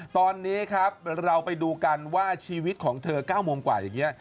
ตอนนี้ครับเราไปดูกันว่าชีวิตของเธอ๙โมงกว่าอย่างนี้